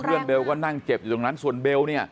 ก็เพื่อนเบลก็นั่งเจ็บอยู่ตรงนั้นส่วนเบล